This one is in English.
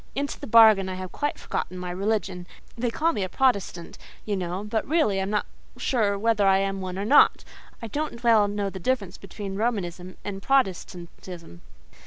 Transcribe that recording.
Into the bargain I have quite forgotten my religion; they call me a Protestant, you know, but really I am not sure whether I am one or not: I don't well know the difference between Romanism and Protestantism.